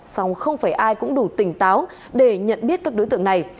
xong không phải ai cũng đủ tỉnh táo để nhận biết các đối tượng này